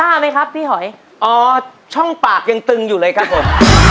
ไหมครับพี่หอยอ๋อช่องปากยังตึงอยู่เลยครับผม